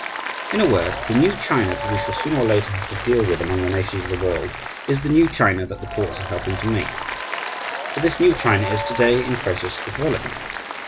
In a word, the new China that we shall sooner or later have to deal with among the nations of the world is the new China that the ports are helping to make for this new China is to day in process of development.